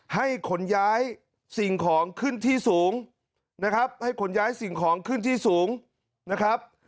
ขนย้ายสิ่งของขึ้นที่สูงนะครับให้ขนย้ายสิ่งของขึ้นที่สูงนะครับ